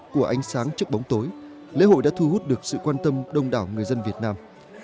của ánh sáng trước bóng tối lễ hội đã thu hút được sự quan tâm đông đảo người dân việt nam